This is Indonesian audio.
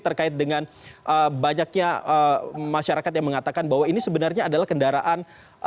terkait dengan banyaknya masyarakat yang mengatakan bahwa ini sebenarnya adalah kendaraan